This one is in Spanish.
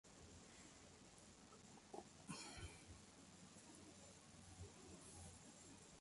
Hugues usó el brazalete de capitán para el equipo nacional en tres ocasiones.